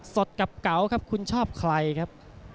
สดกับเก๋าครับคุณชอบใครครับ